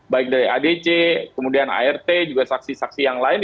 baik dari adc kemudian art juga saksi saksi yang lain